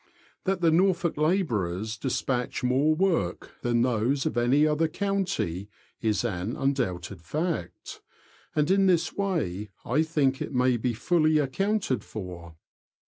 That the Nor folk labourers despatch more work than those of any other county is an undoubted fact, and in this way I think it may be fully accounted for.